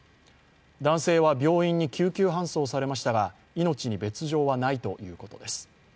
男性は病院に救急搬送されましたが命に別状はないということです。